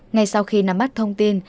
ngay sau khi nắm mắt thông tin